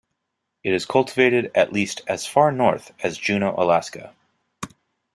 It is cultivated at least as far north as Juneau, Alaska.